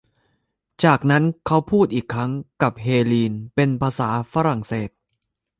จากนั้นเขาพูดอีกครั้งกับเฮลีนเป็นภาษาฝรั่งเศส